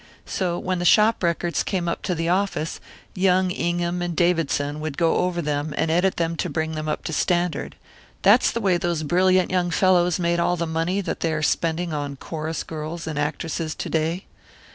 So when the shop records came up to the office, young Ingham and Davidson would go over them and edit them and bring them up to standard that's the way those brilliant young fellows made all the money that they are spending on chorus girls and actresses to day.